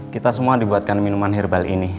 kita semua dibuatkan minuman herbal ini